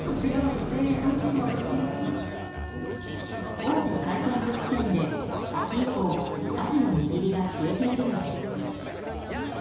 大手回転寿司チェーンで秋以降アジの握りが消えているのです。